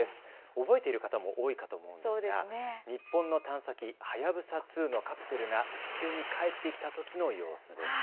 覚えている方も多いかと思うんですが日本の探査機、はやぶさ２のカプセルが地球に帰ってきたときの様子です。